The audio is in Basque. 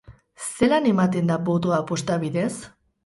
Zelan ematen da botoa posta bidez?